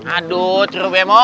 aduh curuh bemo